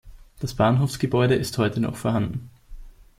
Das Bahnhofsgebäude ist heute noch vorhanden.